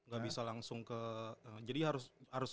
gak bisa langsung ke jadi harus